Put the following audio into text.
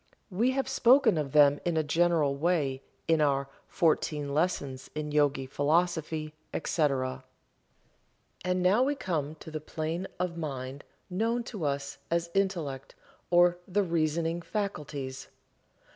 We have spoken of them in a general way in our "Fourteen Lessons in Yogi Philosophy, etc." And now we come to the plane of mind known to us as Intellect or the Reasoning Faculties.